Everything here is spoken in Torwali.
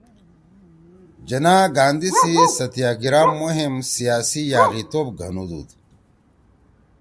جناح گاندھی سی ستیاگرا مہم سیاسی یأغیِتوب (Political Anarchy) گھنُودُود